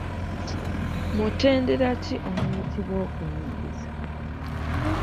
Mutendera ki omuyitibwa okuyingiza?